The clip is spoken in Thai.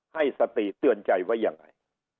ให้สติเตือนใจไว้ยังไง